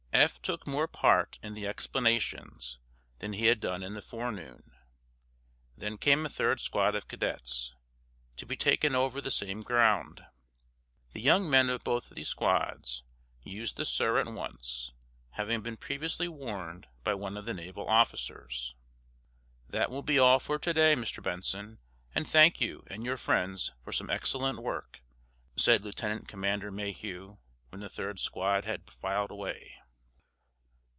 Eph took more part in the explanations than he had done in the forenoon. Then came a third squad of cadets, to be taken over the same ground. The young men of both these squads used the "sir" at once, having been previously warned by one of the naval officers. "That will be all for to day, Mr. Benson, and thank you and your friends for some excellent work," said Lieutenant Commander Mayhew, when the third squad had filed away.